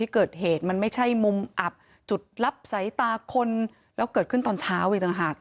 คุณผู้ชม